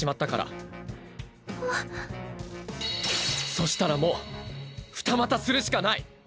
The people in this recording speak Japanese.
そしたらもう二股するしかない。